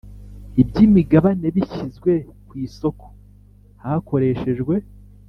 iby imigabane bishyizwe ku isoko hakoreshejwe